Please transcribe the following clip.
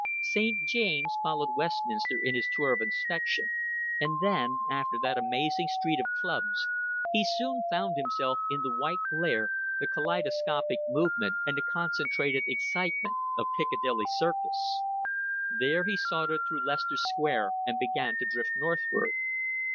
St. James' followed Westminster in his tour of inspection, and then, after that amazing street of clubs, he soon found himself in the white glare, the kaleidoscopic movement, and the concentrated excitement of Piccadilly Circus. Then he sauntered through Leicester Square and began to drift northward.